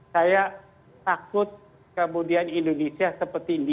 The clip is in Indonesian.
saya takut kemudian indonesia seperti india